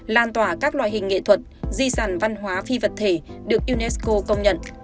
lan tỏa các loại hình nghệ thuật di sản văn hóa phi vật thể được unesco công nhận